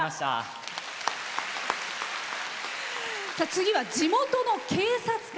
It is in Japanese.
次は地元の警察官。